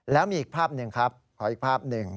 แล้วมีอีกภาพหนึ่งครับขออีกภาพหนึ่ง